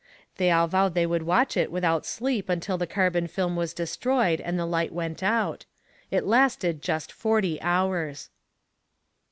They all vowed they would watch it without sleep until the carbon film was destroyed and the light went out. It lasted just forty hours.